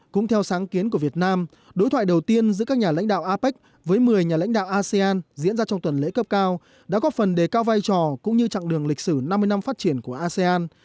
cũng theo sáng kiến của việt nam đối thoại đầu tiên giữa các nhà lãnh đạo apec với một mươi nhà lãnh đạo asean diễn ra trong tuần lễ cấp cao đã góp phần đề cao vai trò cũng như chặng đường lịch sử năm mươi năm phát triển của asean